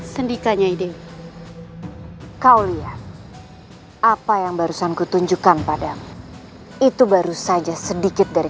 sendikanya ide kau lihat apa yang barusan kutunjukkan padamu itu baru saja sedikit dari